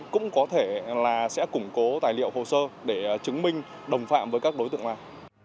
cũng có thể là sẽ củng cố tài liệu hồ sơ để chứng minh đồng phạm với các đối tượng này